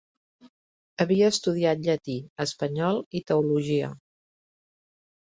Havia estudiat llatí, espanyol i teologia.